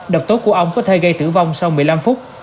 độc tố của ông có thể gây tử vong sau một mươi năm phút